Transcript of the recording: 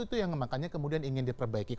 itu yang makanya kemudian ingin diperbaiki